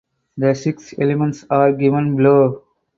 The six elements are given below.